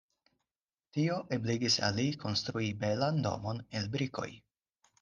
Tio ebligis al li konstrui belan domon el brikoj.